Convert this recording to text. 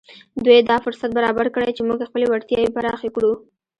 دوی دا فرصت برابر کړی چې موږ خپلې وړتیاوې پراخې کړو